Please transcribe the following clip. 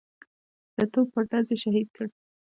د توپ پر ډز یې شهید کړ.